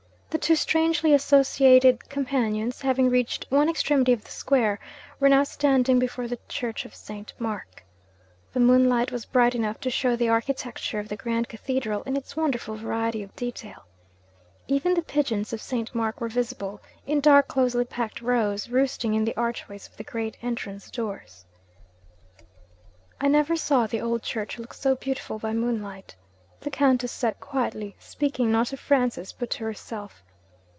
The two strangely associated companions, having reached one extremity of the square, were now standing before the church of St. Mark. The moonlight was bright enough to show the architecture of the grand cathedral in its wonderful variety of detail. Even the pigeons of St. Mark were visible, in dark closely packed rows, roosting in the archways of the great entrance doors. 'I never saw the old church look so beautiful by moonlight,' the Countess said quietly; speaking, not to Francis, but to herself.